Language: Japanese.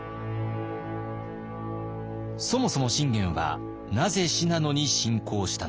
そもそも信玄はなぜ信濃に侵攻したのか。